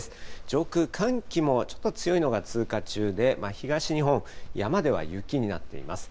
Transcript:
上空、寒気もちょっと強いのが通過中で、東日本、山では雪になっています。